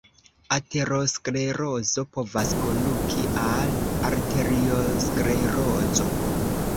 Aterosklerozo povas konduki al arteriosklerozo.